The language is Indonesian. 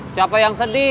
siapa yang sedih